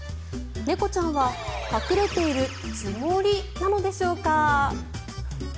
猫ちゃんは隠れているつもりなのでしょうか。